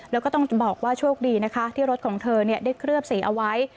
แล้วก็ต้องบอกว่าโชคดีนะคะที่รถของเธอได้เคลือบสีเอาไว้